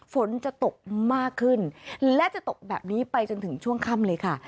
ฝนจะตกมากขึ้นและจะตกแบบนี้ไปจนถึงช่วงค่ำเลยค่ะ